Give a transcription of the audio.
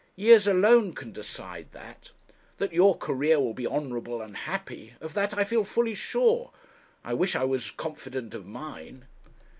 Years alone can decide that. That your career will be honourable and happy, of that I feel fully sure! I wish I were as confident of mine.'